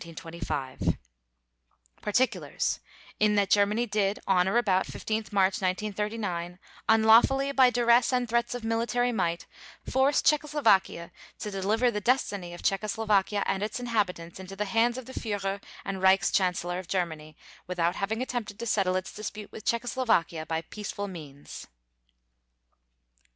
_ PARTICULARS: In that Germany did, on or about 15 March 1939, unlawfully by duress and threats of military might force Czechoslovakia to deliver the destiny of Czechoslovakia and its inhabitants into the hands of the Führer and Reichschancellor of Germany without having attempted to settle its dispute with Czechoslovakia by peaceful means.